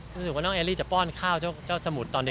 รู้สึกว่าน้องเอรีจะป้อนข้าวจ้าสมุทรหลังจากเด็กด้วยนะครับ